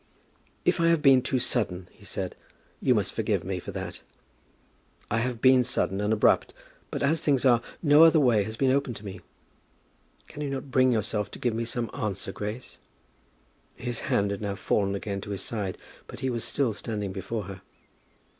"If I have been too sudden," he said, "you must forgive me for that. I have been sudden and abrupt, but as things are, no other way has been open to me. Can you not bring yourself to give me some answer, Grace?" His hand had now fallen again to his side, but he was still standing before her.